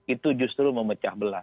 itu justru memecah belas